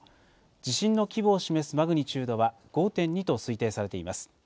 地震の規模を示すマグニチュードは５．２と推定されています。